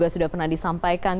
sudah pernah disampaikan